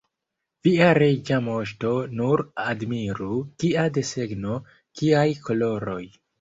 Via Reĝa Moŝto nur admiru, kia desegno, kiaj koloroj!